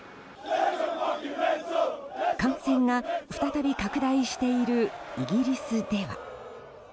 感染が再び拡大しているイギリスでは。